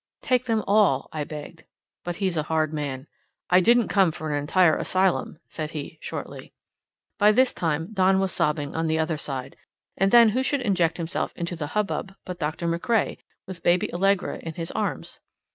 "Take them all!" I begged. But he's a hard man. "I didn't come for an entire asylum," said he, shortly. By this time Don was sobbing on the other side. And then who should inject himself into the hubbub but Dr. MacRae, with baby Allegra in his arms!